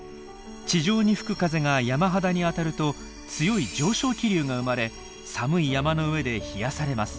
地上に吹く風が山肌に当たると強い上昇気流が生まれ寒い山の上で冷やされます。